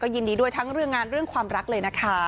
ยินดีด้วยทั้งเรื่องงานเรื่องความรักเลยนะคะ